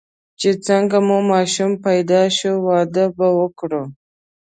چې څنګه مو ماشوم پیدا شو، واده به وکړو.